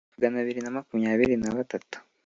magana abiri na makumyabiri na batatu